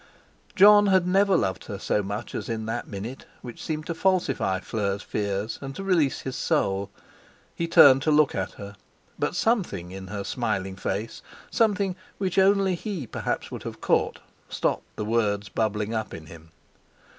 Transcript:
Jon had never loved her so much as in that minute which seemed to falsify Fleur's fears and to release his soul. He turned to look at her, but something in her smiling face—something which only he perhaps would have caught—stopped the words bubbling up in him.